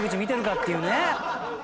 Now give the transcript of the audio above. っていうね。